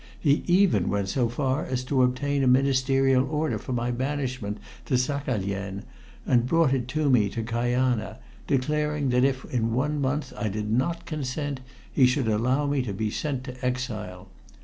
He even went so far as to obtain a ministerial order for my banishment to Saghalien and brought it to me to Kajana, declaring that if in one month I did not consent he should allow me to be sent to exile.